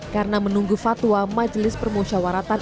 karena menunggu fatwa majelis permusyawaratan